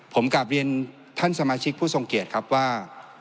ผมกลับเรียนท่านสมาชิกผู้ทรงเกียจครับว่า